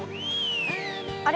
あれ？